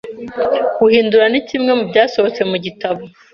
Guhindura ni kimwe mu byasohotse mu gitabo